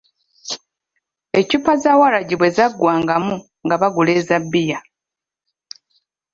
Eccupa za waragi bwe zaggwangamu nga bagula eza bbiya.